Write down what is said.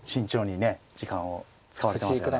時間を使われてますよね。